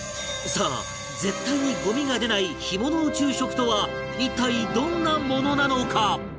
さあ絶対にゴミが出ない干物宇宙食とは一体どんなものなのか？